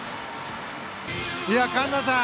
環奈さん